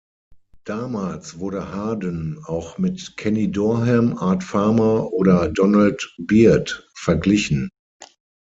Damals wurde Harden auch mit Kenny Dorham, Art Farmer oder Donald Byrd verglichen.